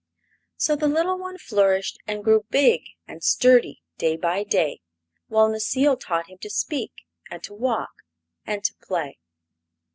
So the little one flourished and grew big and sturdy day by day, while Necile taught him to speak and to walk and to play.